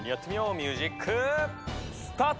ミュージックスタート！